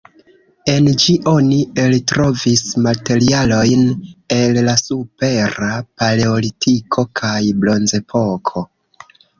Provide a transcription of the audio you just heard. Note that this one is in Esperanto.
En ĝi oni eltrovis materialojn el la Supera paleolitiko kaj Bronzepoko.